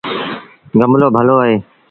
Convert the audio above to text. گملو ڀلو اهي۔